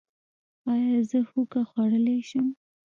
ایا زه هوږه خوړلی شم؟